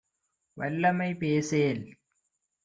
வல்லமை பேசேல்.